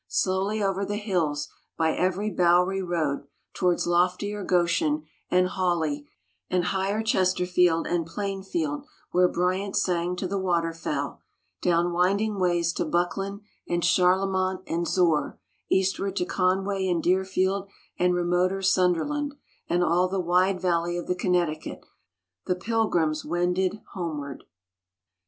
Slowly over the hills by every bowery road, towards loftier Goshen and Hawley, and higher Chesterfield, and Plainfield where Byrant sang to the Water fowl, down winding ways to Buckland and Charlemont and Zoar, eastward to Conway and Deerfield and remoter Sunderland, and all the wide valley of the Connecticut, the pilgrims wended homeward.